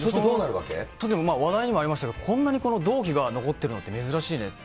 話題にもなりましたけど、こんなにこの同期が残ってるのって珍しいねって。